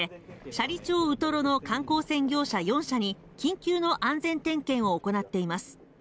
斜里町ウトロの観光船業者４社に緊急の安全点検を行っています